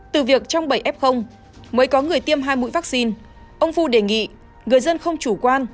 từ việc trong bảy f mới có người tiêm hai mũi vaccine ông phu đề nghị người dân không chủ quan